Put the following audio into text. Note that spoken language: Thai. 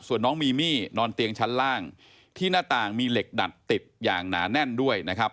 ส่วนน้องมีมี่นอนเตียงชั้นล่างที่หน้าต่างมีเหล็กดัดติดอย่างหนาแน่นด้วยนะครับ